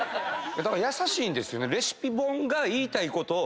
だから優しいんですよね。